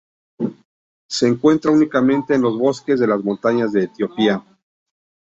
Se encuentra únicamente en los bosques de las montañas de Etiopía.